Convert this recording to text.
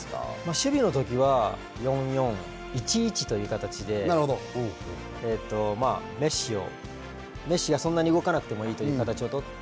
守備の時は４ー４ー１ー１という形でメッシがそんなに動かなくてもいい形をとって。